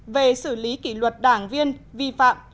về xử lý kỷ luật đảng viên vi phạm